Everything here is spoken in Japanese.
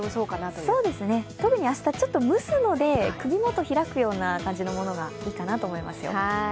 そうですね、特に明日、ちょっと蒸すので首元、開くようなものがいいと思いますよ。